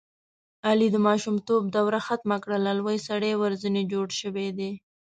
علي د ماشومتوب دروه ختمه کړله لوی سړی ورځنې جوړ شوی دی.